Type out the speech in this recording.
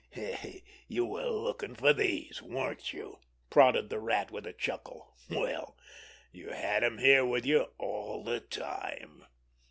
"You were looking for these, weren't you?" prodded the Rat, with a chuckle. "Well, you had 'em here with you all the time!"